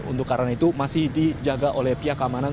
untuk karena itu masih dijaga oleh pihak keamanan